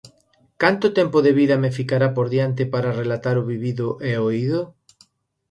¿Canto tempo de vida me ficará por diante para relatar o vivido e oído?